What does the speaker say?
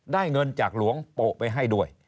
ได้เงินจากหลวงโปะไปให้ด้วย